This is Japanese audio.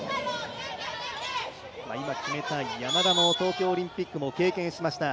今、決めた山田も東京オリンピックを経験しました。